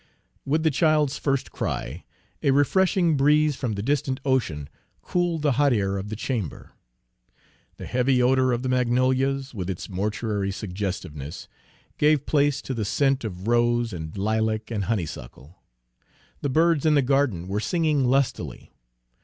With the child's first cry a refreshing breeze from the distant ocean cooled the hot air of the chamber; the heavy odor of the magnolias, with its mortuary suggestiveness, gave place to the scent of rose and lilac and honeysuckle. The birds in the garden were singing lustily.